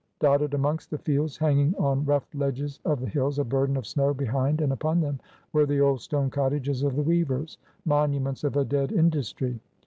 Dotted amongst the fields, hanging on rough ledges of the hills, a burden of snow behind and upon them, were the old stone cottages of the weavers, monuments of a dead industry.